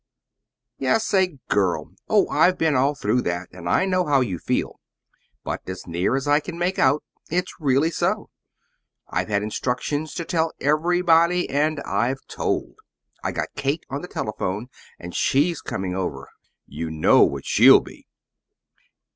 "Yes, a girl. Oh, I've been all through that, and I know how you feel. But as near as I can make out, it's really so. I've had instructions to tell everybody, and I've told. I got Kate on the telephone, and she's coming over. You KNOW what SHE'LL be.